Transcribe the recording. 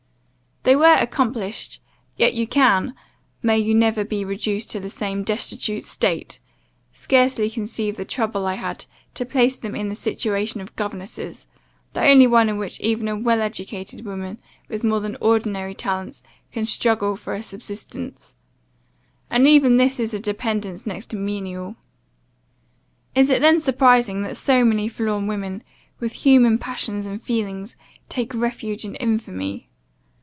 They were accomplished, yet you can (may you never be reduced to the same destitute state!) scarcely conceive the trouble I had to place them in the situation of governesses, the only one in which even a well educated woman, with more than ordinary talents, can struggle for a subsistence; and even this is a dependence next to menial. Is it then surprising, that so many forlorn women, with human passions and feelings, take refuge in infamy?